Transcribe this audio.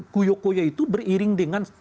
kuyok kuyok itu beriring dengan